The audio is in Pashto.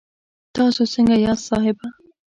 تاسو سنګه یاست صاحبه